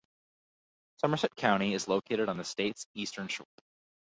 Somerset County is located on the state's Eastern Shore.